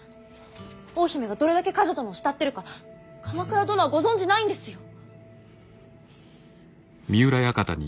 大姫がどれだけ冠者殿を慕ってるか鎌倉殿はご存じないんですよ。